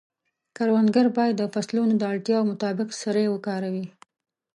کروندګر باید د فصلونو د اړتیاوو مطابق سرې وکاروي.